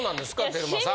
テルマさん。